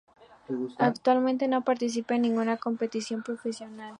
Actualmente no participa en ninguna competición profesional.